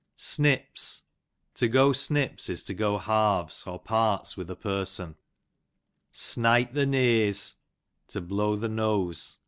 Snips, to go snips is to go halves, or parts with a person. Snite the Nese, to bloiv the nose.